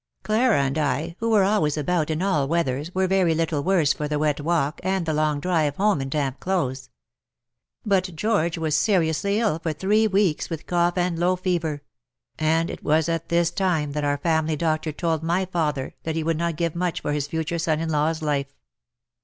Clara and I, who were always about in all weathers, were very little worse for the wet walk and the long drive home in damp clothes. But George was seriously ill for three weeks with cough and low fever ; and it was at this time that our family doctor told my father that he would not give much for his future son in law's life.